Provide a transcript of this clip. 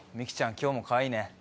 今日もかわいいね。